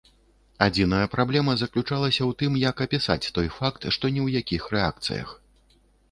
Адзіная праблема заключалася ў тым, як апісаць той факт, што ні ў якіх рэакцыях.